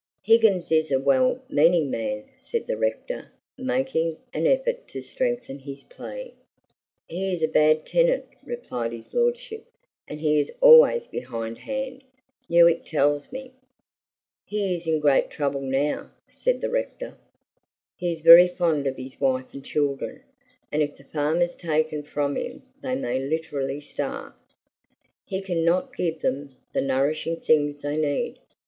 "Higgins is a well meaning man," said the rector, making an effort to strengthen his plea. "He is a bad enough tenant," replied his lordship. "And he is always behindhand, Newick tells me." "He is in great trouble now," said the rector. "He is very fond of his wife and children, and if the farm is taken from him they may literally starve. He can not give them the nourishing things they need.